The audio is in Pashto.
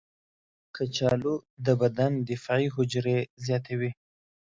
کچالو د بدن دفاعي حجرې زیاتوي.